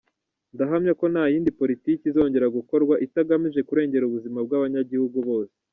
Ndahamya ko nta yindi politiki izongera gukorwa itagamije kurengera ubuzima bw’abanyagihugu bose